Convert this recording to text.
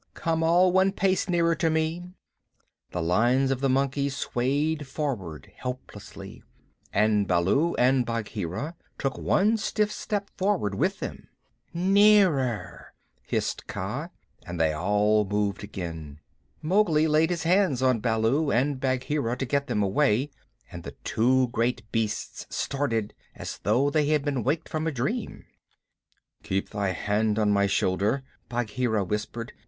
Come all one pace nearer to me." The lines of the monkeys swayed forward helplessly, and Baloo and Bagheera took one stiff step forward with them. "Nearer!" hissed Kaa, and they all moved again. Mowgli laid his hands on Baloo and Bagheera to get them away, and the two great beasts started as though they had been waked from a dream. "Keep thy hand on my shoulder," Bagheera whispered.